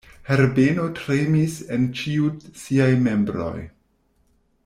Herbeno tremis en ĉiuj siaj membroj.